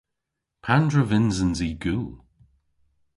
Pandr'a vynsens i gul?